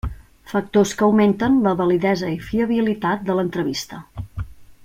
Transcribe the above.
Factors que augmenten la validesa i fiabilitat de l'entrevista.